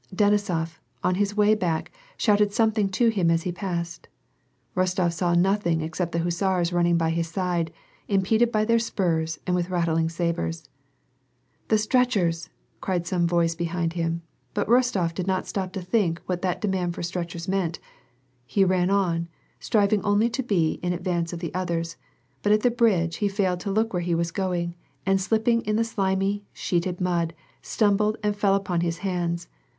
Denisof, on his way back shouted something to him as he passed. Rostof saw nothing except the hussars running by his side, impeded by their spurs and with rattling sabres. " The stretchers !" cried some voice behind him, but Rostof did not stop to think what that demand for stretchers meant ; he ran on, striving only to be in advance of the others, but at the very bridge he failed to look where he was going, and slip ping in the slimy, sheeted mud, stumbled, and fell upon his hands.